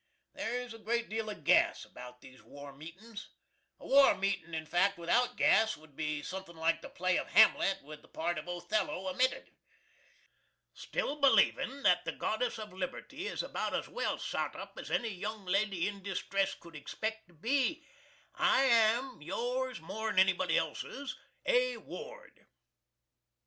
There is a great deal of gas about these war meetin's. A war meetin', in fact, without gas, would be suthin' like the play of HAMLET with the part of OTHELLO omitted. Still believin' that the Goddess of Liberty is about as well sot up with as any young lady in distress could expect to be, I am Yours more'n anybody else's, A. Ward.